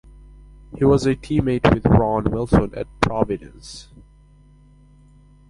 He was a teammate with Ron Wilson at Providence.